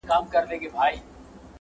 د پښتانه بېره په سترگو کي ده.